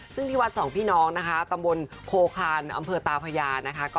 ซึ่งที่วัดสองพี่น้องนะคะตำบลโคคานอำเภอตาพญานะคะ